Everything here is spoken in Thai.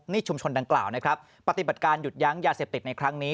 นี่ชุมชนดังกล่าวนะครับปฏิบัติการหยุดยั้งยาเสพติดในครั้งนี้